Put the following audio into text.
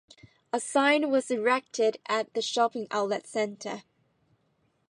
A sign was erected at the shopping outlet centre.